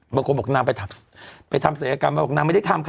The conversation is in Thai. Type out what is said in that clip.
บางคนบอกน้ำไปทับไปทำเสียงกรรมบอกน้ำไม่ได้ทำค่ะ